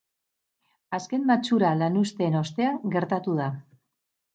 Azken matxura lanuzteen ostean gertatu da.